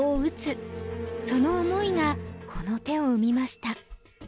その思いがこの手を生みました。